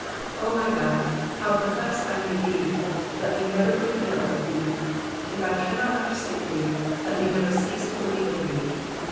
O my God, however |)erplexed I may be, let me never think ill of thee. If I cannot understand thee, let mo never cease to believe in thee.